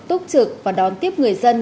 túc trực và đón tiếp người dân